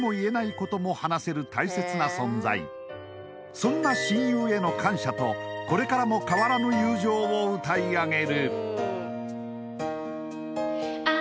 そんな親友への感謝とこれからも変わらぬ友情を歌い上げる。